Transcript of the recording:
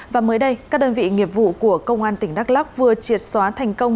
và mới đây các đơn vị nghiệp vụ của công an tỉnh đắk lóc vừa triệt xóa thành công